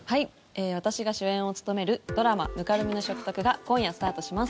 私が主演を務めるドラマ「泥濘の食卓」が今夜、スタートします。